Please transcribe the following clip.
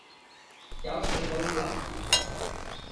有事可以留言